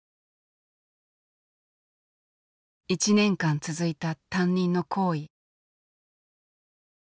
１年間続いた担任の行為。